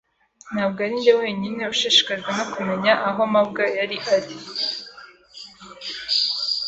Ntabwo arinjye wenyine ushishikajwe no kumenya aho mabwa yari ari.